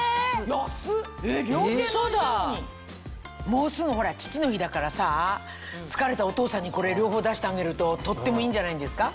もうすぐ父の日だからさ疲れたお父さんにこれ両方出してあげるととってもいいんじゃないですか。